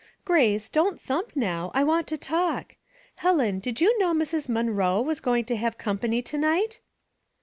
Grace, don't thump uow, I want to talk. Helen, did you know Mr?. Mon roe was going to have company to night?"